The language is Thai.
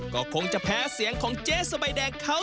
ก็คงจะแพ้เสียงของเจ๊สบายแดงเขา